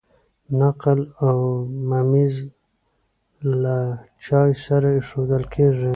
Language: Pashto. نقل او ممیز له چای سره ایښودل کیږي.